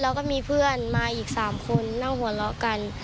แล้วก็มีเพื่อนมาอีก๓คนนั่งหัวเราะกัน